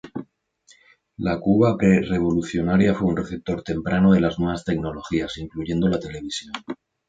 La Cuba pre-revolucionaria fue un receptor temprano de las nuevas tecnologías, incluyendo la televisión.